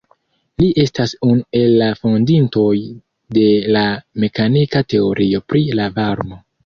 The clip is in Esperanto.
Li estas unu el la fondintoj de la mekanika teorio pri la varmo.